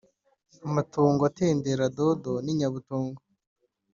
Amatongo atendera dodo n’inyabutongo